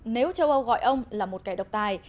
nếu châu âu gọi ông là một kẻ độc tài